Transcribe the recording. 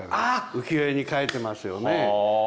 浮世絵に描いてますよね。